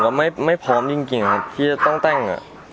แล้วไม่พร้อมจริงครับที่จะต้องแต่ง